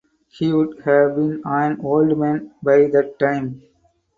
He would have been an old man by that time.